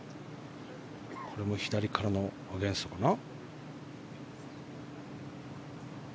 これも左からのアゲンストかな。